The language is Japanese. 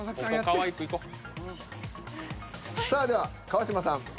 さあでは川島さん。